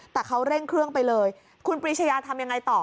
แต่เขาเร่งเครื่องไปเลยคุณปรีชายาทำยังไงต่อ